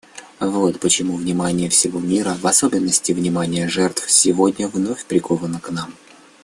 Вот почему внимание всего мира, в особенности внимание жертв, сегодня вновь приковано к нам.